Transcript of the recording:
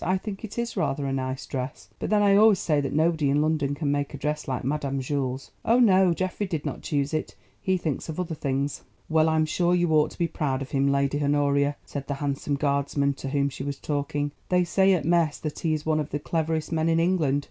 I think it is rather a nice dress, but then I always say that nobody in London can make a dress like Madame Jules. Oh, no, Geoffrey did not choose it; he thinks of other things." "Well, I'm sure you ought to be proud of him, Lady Honoria," said the handsome Guardsman to whom she was talking; "they say at mess that he is one of the cleverest men in England.